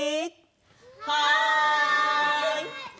はい！